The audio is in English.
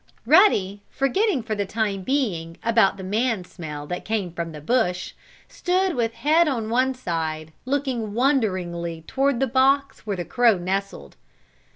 Ruddy, forgetting for the time being about the man smell that came from the bush, stood with head on one side looking wonderingly toward the box where the crow nestled.